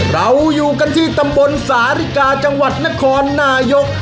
เราอยู่กันที่ตำบลสาริกาจังหวัดนครนายก